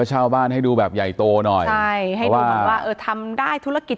อ๋อเจ้าสีสุข่าวของสิ้นพอได้ด้วย